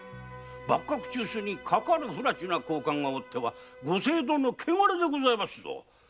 幕閣中枢にかかるフラチな高官がおってはご政道の汚れでございますぞ。